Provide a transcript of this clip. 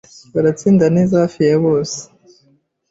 Baratsinda neza hafi ya bose